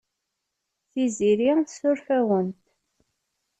Tiziri tessuref-awent.